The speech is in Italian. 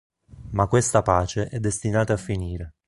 Ma questa pace è destinata a finire.